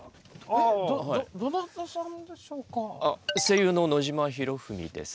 あ声優の野島裕史です。